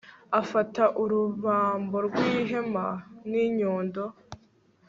afata urubambo rw'ihema n'inyundo